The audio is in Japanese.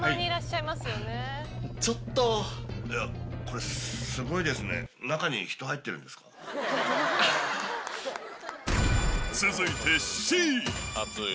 いや、これすごいですね、続いてＣ。